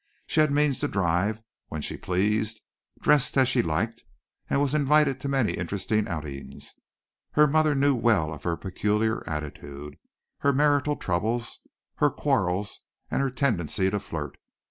She had means to drive when she pleased, dress as she liked, and was invited to many interesting outings. Her mother knew well of her peculiar attitude, her marital troubles, her quarrels and her tendency to flirt.